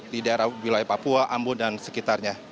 di daerah wilayah papua ambon dan sekitarnya